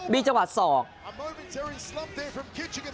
มีจังหวะศอก